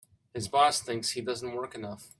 His boss thinks he doesn't work enough.